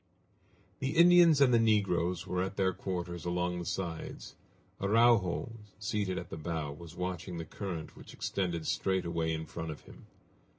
The Indians and the negroes were at their quarters along the sides. Araujo, seated at the bow, was watching the current which extended straight away in front of him.